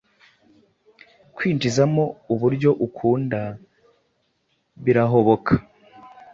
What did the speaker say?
Kwinjizamo uburyo ukunda birahoboka